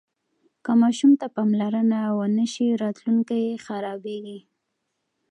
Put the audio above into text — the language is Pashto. که ماشوم ته پاملرنه ونه سي راتلونکی یې خرابیږي.